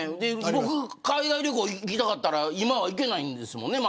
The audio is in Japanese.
僕、海外旅行に行きたかったら今は行けないんですもんね